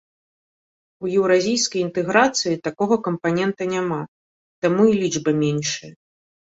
У еўразійскай інтэграцыі такога кампанента няма, таму і лічба меншая.